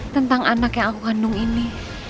tentang anak yang aku kandung ini